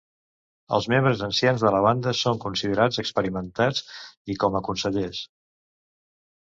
Els membres ancians de la banda són considerats experimentats i com a consellers.